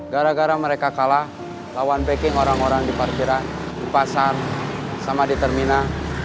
gara gara mereka kalah lawan backing orang orang di parkiran di pasar sama di terminal